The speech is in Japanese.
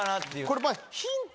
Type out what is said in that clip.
これヒント。